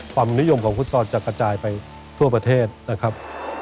ความนิยมของฟุตซอลจะกระจายไปทั่วประเทศนะครับ